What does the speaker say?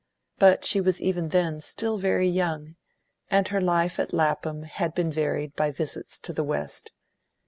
But she was even then still very young, and her life at Lapham had been varied by visits to the West.